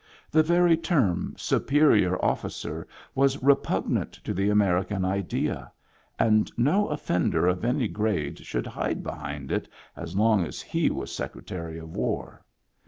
The very term "superior officer" was repugnant to the American idea, and no offender of any grade should hide behind it as long as he was Secretary of War.